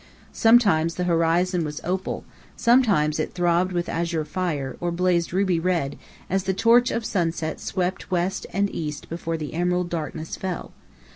Sometimes the horizon was opal, sometimes it throbbed with azure fire, or blazed ruby red, as the torch of sunset swept west and east before the emerald darkness fell.